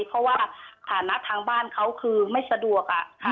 เพราะว่าฐานะทางบ้านเขาคือไม่สะดวก